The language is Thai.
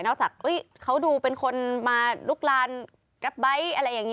นอกจากเขาดูเป็นคนมาลุกร้านกับไบท์